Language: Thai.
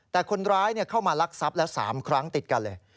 แต่คนร้ายเข้ามาลักทรัพย์แล้ว๓ครั้งติดกันเลย